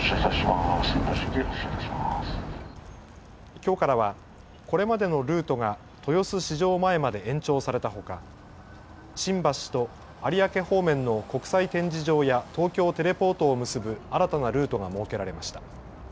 きょうからはこれまでのルートが豊洲市場前まで延長されたほか、新橋と有明方面の国際展示場や東京テレポートを結ぶ新たなルートが設けられました。